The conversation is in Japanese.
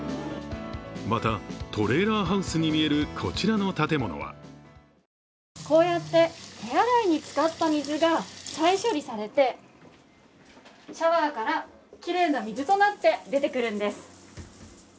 またトレーラーハウスに見えるこちらの建物はこうやって手洗いに使った水が再処理されてシャワーからきれいな水となって出てくるんです。